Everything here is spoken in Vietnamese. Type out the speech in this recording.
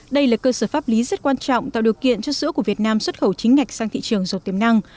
đây là cơ sở pháp lý rất quan trọng tạo điều kiện cho sữa của việt nam xuất khẩu chính ngạch sang thị trường dột tiềm năng